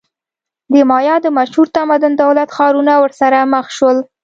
د مایا د مشهور تمدن دولت-ښارونه ورسره مخ شول.